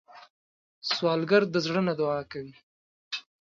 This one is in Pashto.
سوالګر د زړه نه دعا کوي